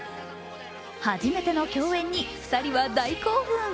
初めての共演に２人は大興奮。